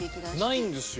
ないんですよ。